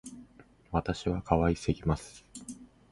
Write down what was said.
私は可愛すぎます